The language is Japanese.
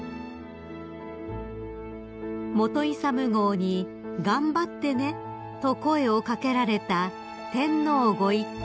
［本勇号に「頑張ってね」と声を掛けられた天皇ご一家です］